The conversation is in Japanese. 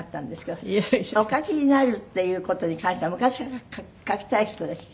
お書きになるっていう事に関しては昔から書きたい人でした？